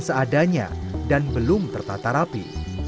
seadanya dan belum tertata rapi